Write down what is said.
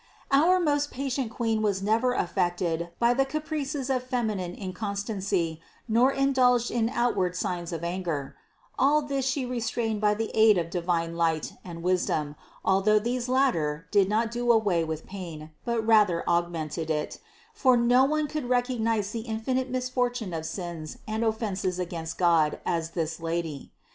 Our most patient Queen was never affected by the caprices of feminine inconstancy, nor indulged in outward signs of anger; all this She restrained by the aid of divine light and wisdom, although these latter did not do away with pain, but rather augmented it; for no one could recognize the infinite misfortune of sins and offenses against God as this Lady.